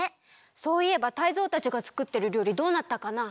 そういえばタイゾウたちがつくってるりょうりどうなったかな？